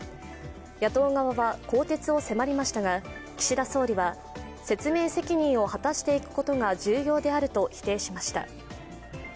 野党側は更迭を迫りましたが、岸田総理は説明責任を果たしていくことが重要であると否定しました。